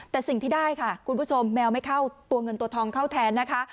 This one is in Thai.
แต่สิ่งที่ได้ค่ะคุณผู้ชมแมวไม่เข้าตัวเงินตัวทองเข้าแทนนะคะ